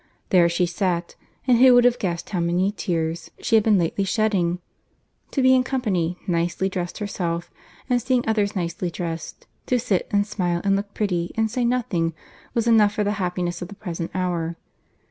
There she sat—and who would have guessed how many tears she had been lately shedding? To be in company, nicely dressed herself and seeing others nicely dressed, to sit and smile and look pretty, and say nothing, was enough for the happiness of the present hour.